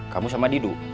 kamu sama didu